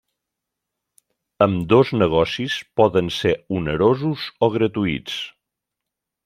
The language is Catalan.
Ambdós negocis poden ser onerosos o gratuïts.